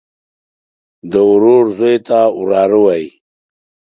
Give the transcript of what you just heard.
د ورور زوى ته وراره وايي.